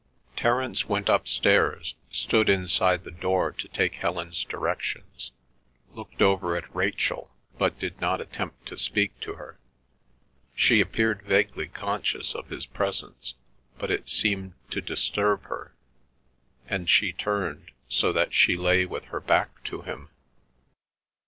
Terence went upstairs, stood inside the door to take Helen's directions, looked over at Rachel, but did not attempt to speak to her. She appeared vaguely conscious of his presence, but it seemed to disturb her, and she turned, so that she lay with her back to him.